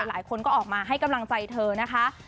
หลายคนก็ออกมาให้กำลังใจเธอนะคะ